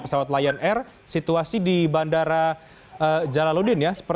sesuai pantauan di bandara jalan jalan